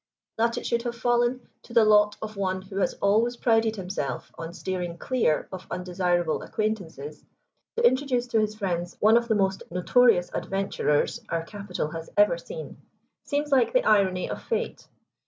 That it should have fallen to the lot of one who has always prided himself on steering clear of undesirable acquaintances, to introduce to his friends one of the most notorious adventurers our capital has ever seen, seems like the irony of fate.